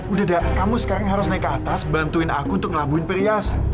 udah dah kamu sekarang harus naik ke atas bantuin aku untuk ngelambuin priyasa